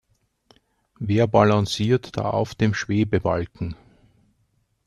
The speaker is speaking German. Wer balanciert da auf dem Schwebebalken?